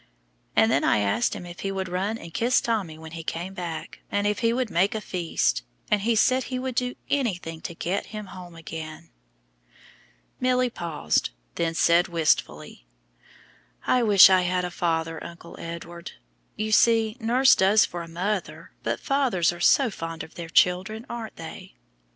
And then I asked him if he would run and kiss Tommy when he came back, and if he would make a feast; and he said he would do anything to get him home again." Milly paused, then said wistfully, "I wish I had a father, Uncle Edward. You see, nurse does for a mother, but fathers are so fond of their children, aren't they?"